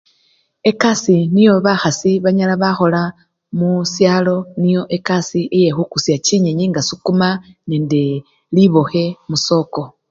Ekasii niyo bakhasi banyala bakhola musyalo, niyo ekasii yekhukusya chinyenyi nga sukuma nende libokhe musoko.